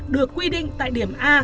được quy định tại điểm a